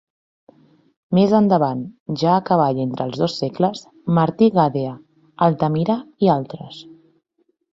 Més endavant, ja a cavall entre els dos segles: Martí Gadea, Altamira i altres.